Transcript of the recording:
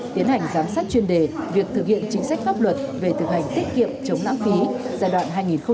tiến hành giám sát chuyên đề việc thực hiện chính sách pháp luật về thực hành tiết kiệm chống lãng phí giai đoạn hai nghìn một mươi sáu hai nghìn hai mươi